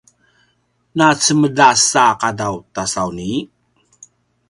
na cemedas a qadaw ta sauni?